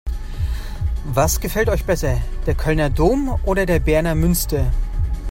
Was gefällt euch besser: Der Kölner Dom oder der Berner Münster?